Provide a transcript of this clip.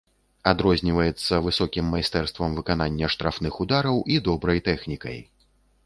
Адрозніваецца высокім майстэрствам выканання штрафных удараў і добрай тэхнікай.